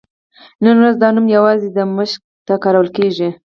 نن ورځ دا نوم یوازې دمشق ته کارول کېږي.